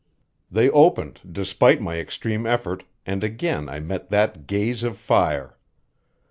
They opened despite my extreme effort, and again I met that gaze of fire.